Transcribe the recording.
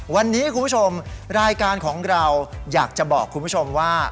วันนี้คุณผู้ชมรายการของเราอยากจะบอกคุณผู้ชมว่า